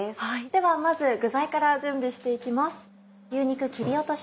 ではまず具材から準備して行きます。